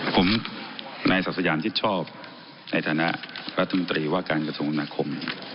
ผมนายศักดิ์สยามชิดชอบในฐานะรัฐมนตรีว่าการกระทรวงนาคม